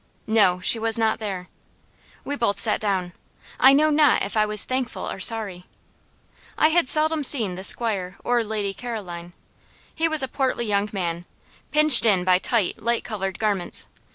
No she was not there. We both sat down. I know not if I was thankful or sorry. I had seldom seen the 'squire or Lady Caroline. He was a portly young man, pinched in by tight light coloured garments.